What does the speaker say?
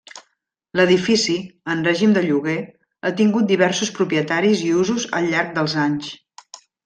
L'edifici, en règim de lloguer, ha tingut diversos propietaris i usos al llarg dels anys.